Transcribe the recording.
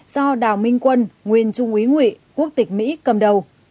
do đào minh quân nguyên trung úy ngy quốc tịch mỹ cầm đầu